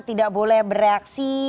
tidak boleh bereaksi